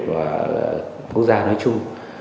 và quốc gia nói chung